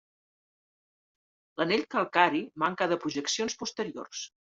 L'anell calcari manca de projeccions posteriors.